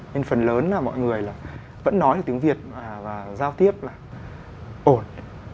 nên phần lớn là mọi người là vẫn nói về tiếng việt và giao tiếp là ổn